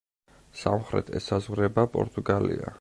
სამხრეთ ესაზღვრება პორტუგალია.